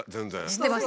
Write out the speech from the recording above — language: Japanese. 知ってます。